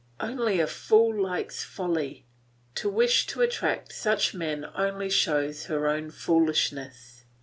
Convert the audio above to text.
Only a fool likes folly; to wish to attract such men only shows her own foolishness.